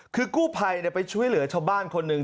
คือกู้ภัยไปช่วยเหลือชาวบ้านคนหนึ่ง